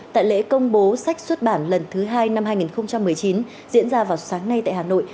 tại lễ công bố sách xuất bản lần thứ hai năm hai nghìn một mươi chín diễn ra vào sáng nay tại hà nội